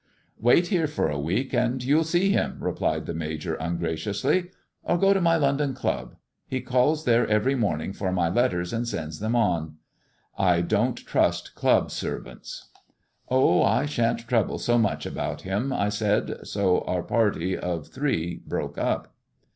" Wait here for a week and you'll see him," replied the Major ungraciously, " or go to my London club. He calb there every morning for my letters and sends them on. I don't trust club servants." " Oh, I shan't trouble so much about him," I said, so our party of three broke up.